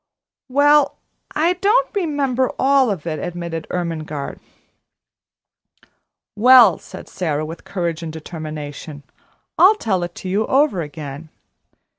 "Well, I don't remember all of it," admitted Ermengarde. "Well," said Sara, with courage and determination, "I'll tell it to you over again."